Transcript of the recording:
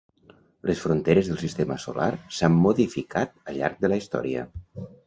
Les fronteres del sistema solar s’han modificat al llarg de la història.